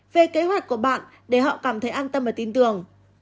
về kế hoạch của bạn để họ cảm thấy an tâm và tin tưởng